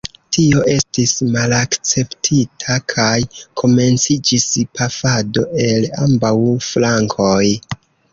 Tio estis malakceptita, kaj komenciĝis pafado el ambaŭ flankoj.